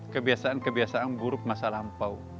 kebiasaan kebiasaan buruk masa lampau